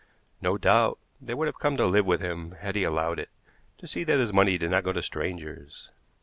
No doubt they would have come to live with him had he allowed it, to see that his money did not go to strangers.